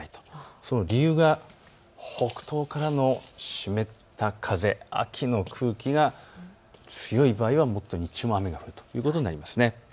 その理由は北東からの湿った風、秋の空気が強い場合は日曜日も雨が降るということになります。